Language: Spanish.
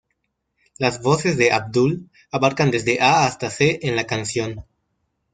Las voces de Abdul abarcan desde A hasta C en la canción.